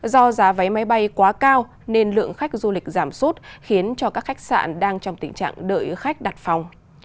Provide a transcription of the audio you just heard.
do giá váy máy bay quá cao nên lượng khách du lịch giảm sút khiến cho các khách sạn đang trong tình trạng đợi khách đặt phòng